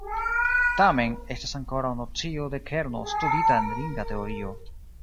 Tamen, estas ankoraŭ nocio de kerno studita en ringa teorio.